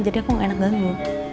jadi aku gak enak ganggu